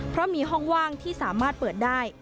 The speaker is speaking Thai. เพราะมีห้องว่างที่สามารถเปิดได้